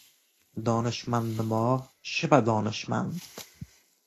دانشمندنما، شبه دانشمند